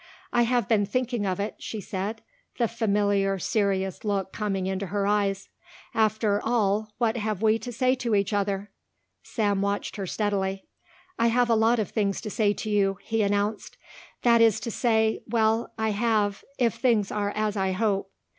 "I have been thinking of it," she said, the familiar serious look coming into her eyes. "After all what have we to say to each other?" Sam watched her steadily. "I have a lot of things to say to you," he announced. "That is to say well I have, if things are as I hope."